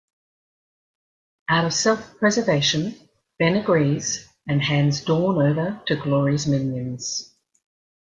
Out of self-preservation, Ben agrees, and hands Dawn over to Glory's minions.